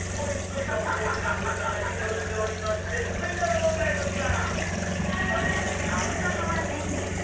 今「鬼レンチャン」軍団がリードをしていまして続いての問題、こちら。